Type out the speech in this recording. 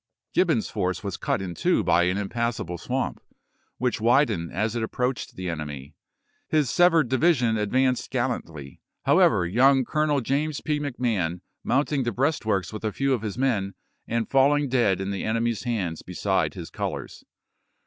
Gibbon's force was cut in two by an impassable swamp, which widened as it ap proached the enemy ; his severed division advanced gallantly, however, young Colonel James P. Mac Mahon mounting the breastworks with a few of his men, and falling dead in the enemy's hands beside his colors.